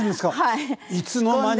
いつの間に。